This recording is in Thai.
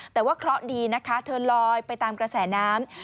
แต่ว่าเคราะห์ดีนะคะเธอลอยไปตามกระแสน้ำ